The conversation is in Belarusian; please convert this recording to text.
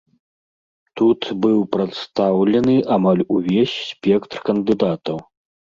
Тут быў прадстаўлены амаль увесь спектр кандыдатаў.